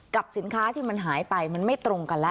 กับสินค้าที่มันหายไปมันไม่ตรงกันแล้ว